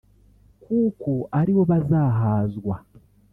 kuko aribo bazahazwa